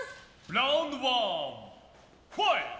ラウンドワンファイト！